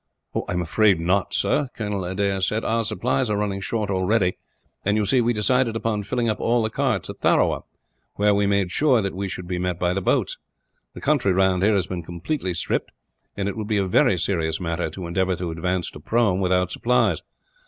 "I am afraid not, sir," Colonel Adair said. "Our supplies are running short already and, you see, we decided upon filling up all the carts at Tharawa, where we made sure that we should be met by the boats. The country round here has been completely stripped, and it would be a very serious matter to endeavour to advance to Prome, without supplies.